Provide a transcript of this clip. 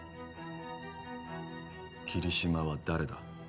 桐島は誰だ？